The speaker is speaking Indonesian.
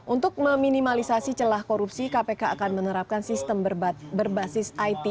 untuk meminimalisasi celah korupsi kpk akan menerapkan sistem berbasis it